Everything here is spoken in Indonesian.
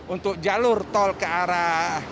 untuk jalur tol ke arah